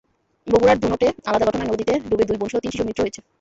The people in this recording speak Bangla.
বগুড়ার ধুনটে আলাদা ঘটনায় নদীতে ডুবে দুই বোনসহ তিন শিশুর মৃত্যু হয়েছে।